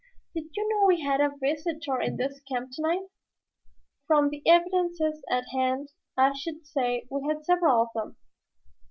"Did you know we had a visitor in this camp tonight?" "From the evidences at hand I should say we had had several of them."